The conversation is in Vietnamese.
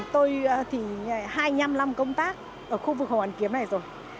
tôi thì hai mươi năm năm công tác ở khu vực hồ hoàn kiếm này rồi